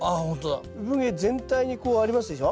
うぶ毛全体にこうありますでしょ。